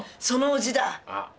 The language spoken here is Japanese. そのおじだ！